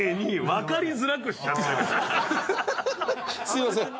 すいません。